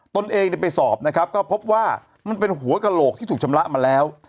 ตนเองไปสอบนะครับก็พบว่ามันเป็นหัวกระโหลกที่ถูกชำระมาแล้ว